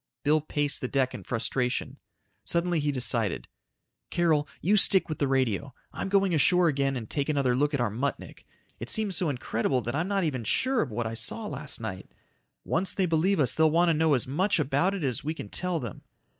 Bill paced the deck in frustration. Suddenly he decided, "Carol, you stick with the radio. I'm going ashore again and take another look at our Muttnik. It seems so incredible that I'm not even sure of what I saw last night. Once they believe us they'll want to know as much about it as we can tell them."